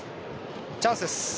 チャンスです。